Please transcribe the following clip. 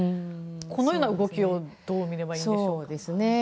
このような動きをどう見ればいいでしょう。